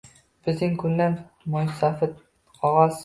Bizning kunlar “moʼysafid qogʼoz”